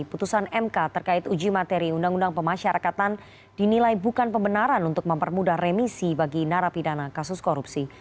putusan mk terkait uji materi undang undang pemasyarakatan dinilai bukan pembenaran untuk mempermudah remisi bagi narapidana kasus korupsi